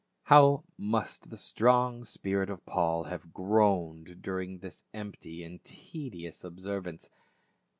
How must the strong spirit of Paul have groaned during all this empty and tedious observance.